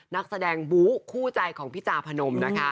นักแสดงบูห์คู่ใจของพี่จาภนม